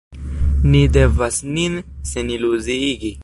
Ni devas nin seniluziigi.